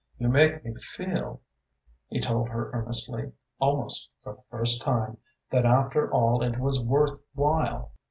"You make me feel," he told her earnestly, "almost for the first time, that after all it was worth while."